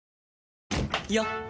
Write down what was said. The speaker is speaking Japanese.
よっ！